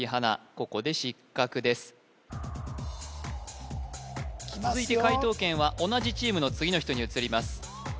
ここで失格です続いて解答権は同じチームの次の人に移ります